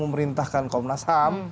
memerintahkan komnas ham